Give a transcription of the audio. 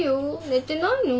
寝てないの？